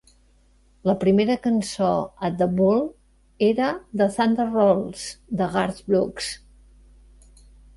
La primera cançó a "The Bull" era "The Thunder Rolls" de Garth Brooks.